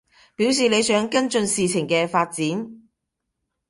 表示你想跟進事情嘅發展